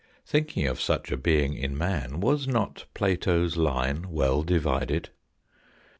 Thinking of such a being in man, was not Plato's line well divided